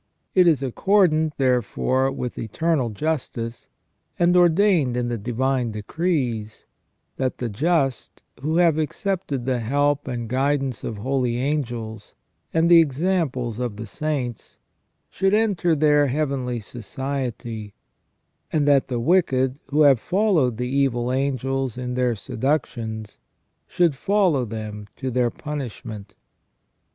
It is accordant, therefore, with eternal justice, and ordained in the divine decrees, that the just, who have accepted the help and guidance of holy angels and the examples of the saints, should enter their heavenly society; and that the wicked, who have followed the evil angels in their seductions, should follow them to their punishment.